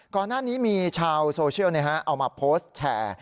ก่อนหน้านี้มีชาวโซเชียลเอามาโพสต์แชร์